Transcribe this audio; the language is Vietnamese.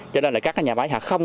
cho nên là các nhà máy khá khó trồng